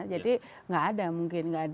jadi tidak ada mungkin